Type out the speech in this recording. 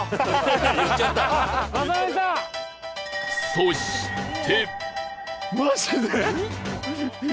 そして